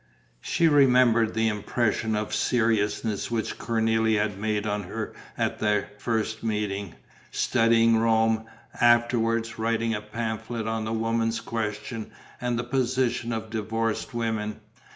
She remembered the impression of seriousness which Cornélie had made on her at their first meeting: studying Rome; afterwards, writing a pamphlet on the woman question and the position of divorced women.